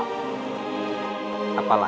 kita hanya berhak takut kepada kusti allah